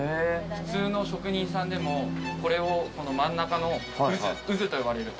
普通の職人さんでもこれをこの真ん中の渦と呼ばれる。